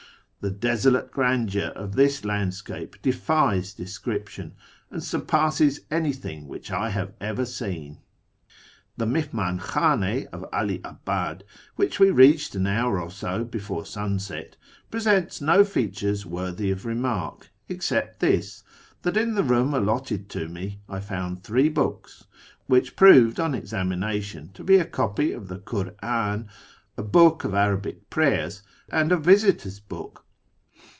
The desolate OTandeur of this landscape defies description, and surpasses anything which I have ever seen. ■ The miJwidn khdnd of 'Ali abad, which we reached an hour FROM TEHERAN to ISFAHAN 167 or so before sunset, presents no features worthy of remark except this, that in the room allotted to me I found three books, which proved on examination to be a copy of the Kur'an, a book of Arabic prayers, and a visitors' book